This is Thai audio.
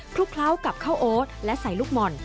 ลุกเคล้ากับข้าวโอ๊ตและใส่ลูกหม่อน